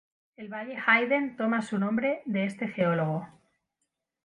El valle Hayden toma su nombre de este geólogo.